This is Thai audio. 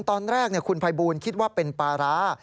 ตอนแรกคุณภัยบูลคิดว่าเป็นปลาร้า